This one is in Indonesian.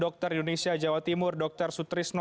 dokter indonesia jawa timur dr sutrisno